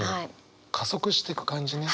加速してく感じね。